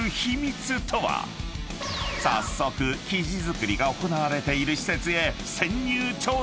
［早速生地作りが行われている］